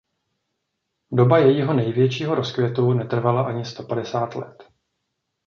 Doba jejího největšího rozkvětu netrvala ani sto padesát let.